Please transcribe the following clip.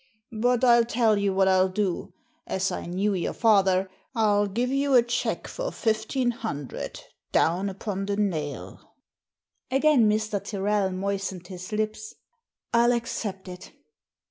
But HI tell you what I'll do, as I knew your father, TU give you a cheque for fifteen hundred down upon the nail Again Mr. Tyrrel moistened his lips. « ril accept it."